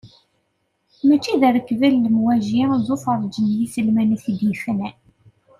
Mačči d rrekba n lemwaji, d ufarreǧ deg yiselman i t-id-yefnan.